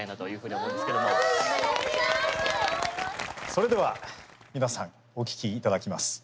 それでは皆さんお聴き頂きます。